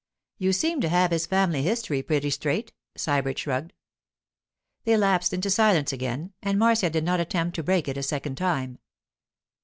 'You seem to have his family history pretty straight,' Sybert shrugged. They lapsed into silence again, and Marcia did not attempt to break it a second time.